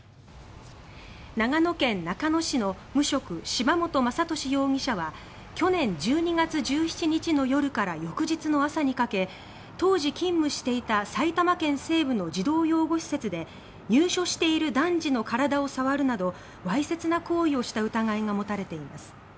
長野県中野市の無職柴本雅俊容疑者は去年１２月１７日の夜から翌日の朝にかけ当時勤務していた埼玉県西部の児童養護施設で入所している男児の体を触るなどわいせつな行為をした疑いが持たれています。